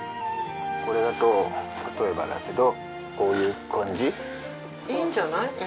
これだと例えばだけどこういう感じ？いいんじゃない？